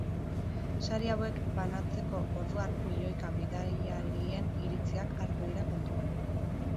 Sari hauek banatzeko orduan milioika bidaiarien iritziak hartu dira kontuan.